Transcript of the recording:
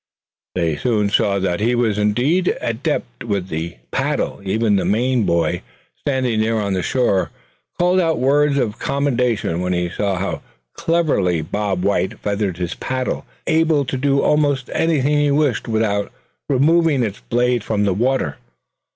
They soon saw that he was indeed an adept with the paddle. Even the Maine boy, standing there on the shore, called out words of commendation when he saw how cleverly Bob White feathered his paddle, and seemed able to do almost anything he wished without removing its blade from the water.